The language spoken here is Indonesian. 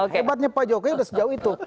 hebatnya pak jokowi sudah sejauh itu